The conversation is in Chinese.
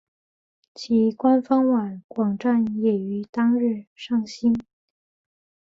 其官方网站也于当日上线。